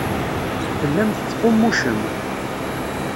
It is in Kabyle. Tellam tettqummucem.